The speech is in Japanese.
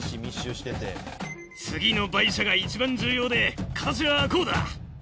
次のバイシャが一番重要で形はこうだ！